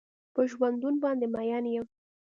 په ژوندون باندې مين يم.